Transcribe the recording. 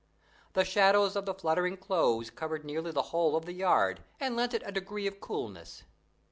The shadows of the fluttering clothes covered nearly the whole of the yard and lent it a degree of coolness.